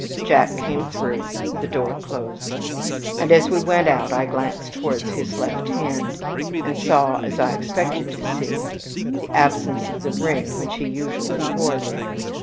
Jack came through, the door closed, and as we went out I glanced towards his left hand, and saw, as I expected to see, the absence of the ring which he usually wore there.